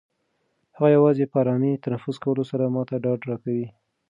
هغه یوازې په ارامه تنفس کولو سره ما ته ډاډ راکوي.